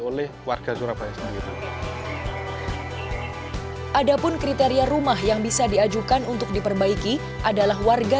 oleh warga surabaya sendiri ada pun kriteria rumah yang bisa diajukan untuk diperbaiki adalah warga